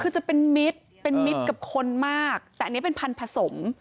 คือจะเป็นมิตรเป็นมิตรกับคนมากแต่อันนี้เป็นพันธุ์ผสม